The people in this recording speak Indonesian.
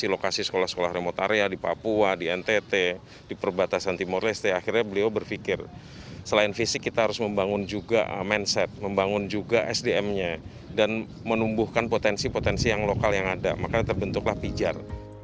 di lokasi sekolah sekolah remote area di papua di ntt di perbatasan timur leste akhirnya beliau berpikir selain fisik kita harus membangun juga mindset membangun juga sdm nya dan menumbuhkan potensi potensi yang lokal yang ada makanya terbentuklah pijar